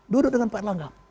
duduk dengan pak herlaga